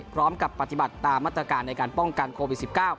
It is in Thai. พร้อมกับปฏิบัติตามมาตรการในการป้องกันโควิด๑๙